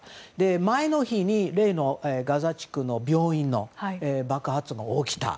前の日に例のガザ地区の病院の爆発が起きた。